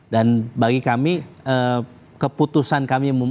dan bagi kami keputusan kami untuk memilih